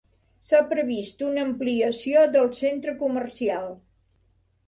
S'ha previst una ampliació del centre comercial.